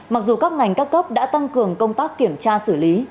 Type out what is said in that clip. mặc dù các ngành các cấp đã tăng cường công tác kiểm tra xử lý